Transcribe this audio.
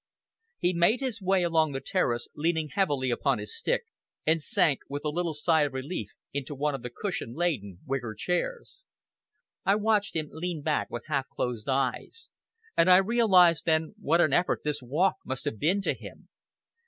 He made his way along the terrace, leaning heavily upon his stick, and sank with a little sigh of relief into one of the cushion laden wicker chairs. I watched him lean back with half closed eyes; and I realized then what an effort this walk must have been to him.